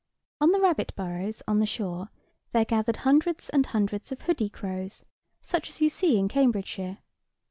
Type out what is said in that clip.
On the rabbit burrows on the shore there gathered hundreds and hundreds of hoodie crows, such as you see in Cambridgeshire.